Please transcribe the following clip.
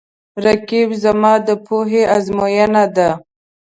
رقیب زما د پوهې آزموینه ده